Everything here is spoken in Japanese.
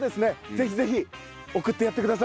ぜひぜひ送ってやってください。